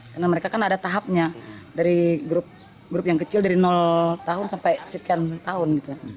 karena mereka kan ada tahapnya dari grup yang kecil dari tahun sampai sekian tahun